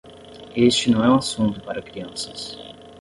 Este não é um assunto para crianças